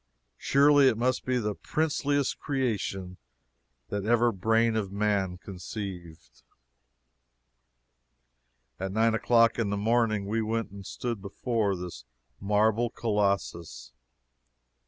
Surely it must be the princeliest creation that ever brain of man conceived. At nine o'clock in the morning we went and stood before this marble colossus.